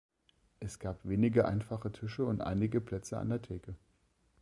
Es gab wenige einfache Tische und einige Plätze an der Theke.